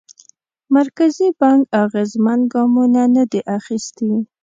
مرکزي بانک اغېزمن ګامونه ندي اخیستي.